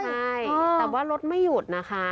ใช่แต่ว่ารถไม่หยุดนะคะ